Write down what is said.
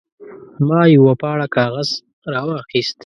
ما یوه پاڼه کاغذ راواخیست.